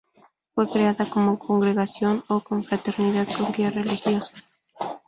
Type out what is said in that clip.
Fue creada como congregación o confraternidad con guía religiosa.